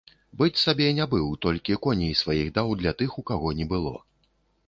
Быць сабе не быў, толькі коней сваіх даў для тых, у каго не было.